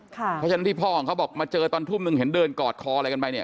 เพราะฉะนั้นที่พ่อของเขาบอกมาเจอตอนทุ่มนึงเห็นเดินกอดคออะไรกันไปเนี่ย